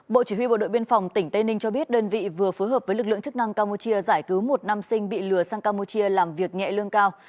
bộ chỉ huy bộ đội biên phòng tỉnh tây ninh cho biết đơn vị vừa phối hợp với lực lượng chức năng campuchia giải cứu một nam sinh bị lừa sang campuchia làm việc nhẹ lương cao